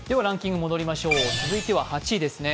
続いては８位です。